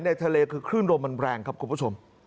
ในทะเลคือคลื่นลมมันแรงครับคุณผู้ชม